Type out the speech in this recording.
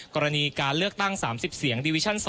กรณีการเลือกตั้ง๓๐เสียงดิวิชั่น๒